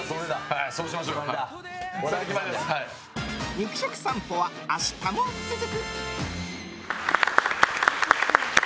肉食さんぽは明日も続く！